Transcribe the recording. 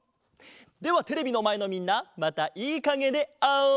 ではテレビのまえのみんなまたいいかげであおう！